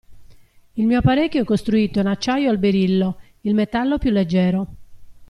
Il mio apparecchio è costruito in acciaio al berillo, il metallo più leggero.